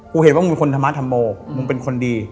เห็นว่ามึงเป็นคนธรรมธรรโมมึงเป็นคนดี